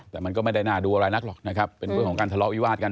แต่มันก็ไม่ได้น่าดูอะไรนักหรอกนะครับเป็นเรื่องของการทะเลาะวิวาดกัน